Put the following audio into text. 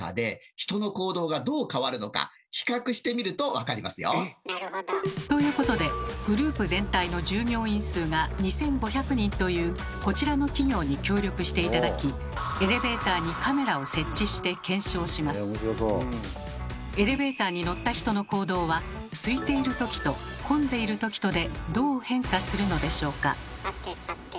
確かに自分が今ということでグループ全体の従業員数が２，５００人というこちらの企業に協力して頂きエレベーターにエレベーターに乗った人の行動はすいているときと混んでいるときとでどう変化するのでしょうか？